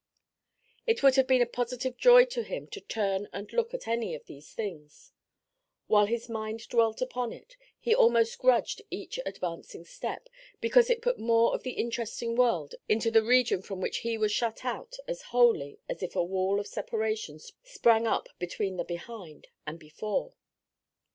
It would have been a positive joy to him to turn and look at any of these things. While his mind dwelt upon it, he almost grudged each advancing step, because it put more of the interesting world into the region from which he was shut out as wholly as if a wall of separation sprang up between the behind and before.